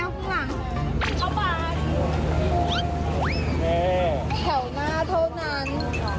เอามันเป็นชื่อมั่วแก้วข้างหลัง